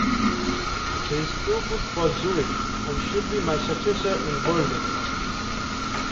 He's too good for Zurich, and should be my successor in Berlin.